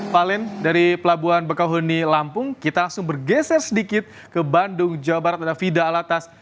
pak len dari pelabuhan bakauhuni lampung kita langsung bergeser sedikit ke bandung jawa barat dan vida alatas